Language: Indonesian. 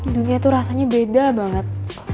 dunia itu rasanya beda banget